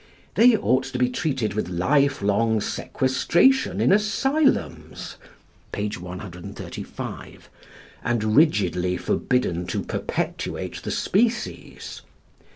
They ought to be treated with life long sequestration in asylums (p. 135), and rigidly forbidden to perpetuate the species.